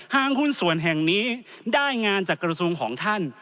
ห้างหุ้นส่วนแห่งนี้ได้งานจากกระทรวงของท่าน